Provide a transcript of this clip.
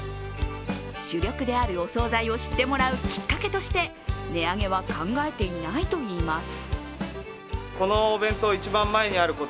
主力であるお総菜を知ってもらうきっかけとして、値上げは考えていないといいます。